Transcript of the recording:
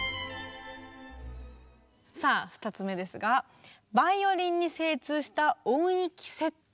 さあ２つ目ですが「バイオリンに精通した音域設定」。